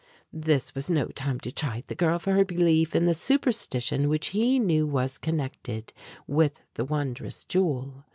This was no time to chide the girl for her belief in the superstition which he knew was connected with the wondrous jewel.